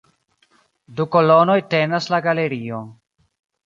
Du kolonoj tenas la galerion.